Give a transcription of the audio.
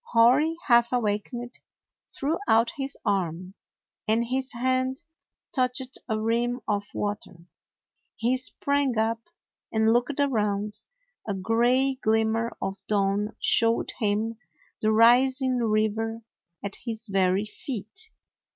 Hori, half awakened, threw out his arm, and his hand touched a rim of water. He sprang up and looked around. A gray glimmer of dawn showed him the ris ing river at his very feet.